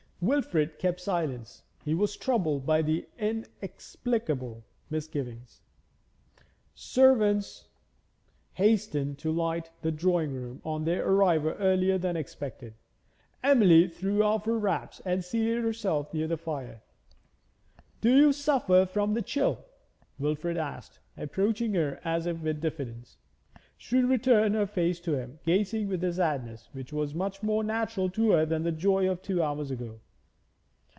Wilfrid kept silence; he was troubled by inexplicable misgivings. Servants hastened to light the drawing room on their arrival earlier than was expected. Emily threw off her wraps and seated herself near the fire. 'Do you suffer from the chill?' Wilfrid asked, approaching her as if with diffidence. She turned her face to him, gazing with the sadness which was so much more natural to her than the joy of two hours ago.